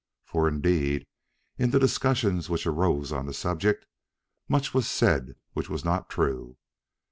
For, indeed, in the discussions which arose on the subject, much was said which was not true.